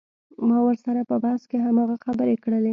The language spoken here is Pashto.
ما ورسره په بحث کښې هماغه خبرې کړلې.